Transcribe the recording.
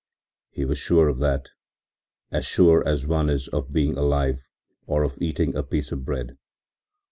He was sure of that, as sure as one is of being alive or of eating a piece of bread.